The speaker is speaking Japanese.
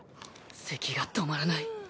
せきが止まらない。